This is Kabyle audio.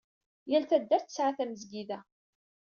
Yal taddart tesɛa tamezgida.